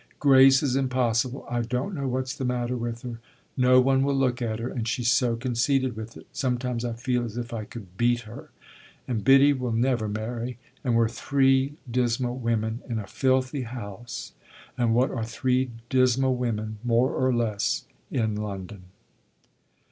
Grace is impossible I don't know what's the matter with her; no one will look at her, and she's so conceited with it sometimes I feel as if I could beat her! And Biddy will never marry, and we're three dismal women in a filthy house, and what are three dismal women, more or less, in London?"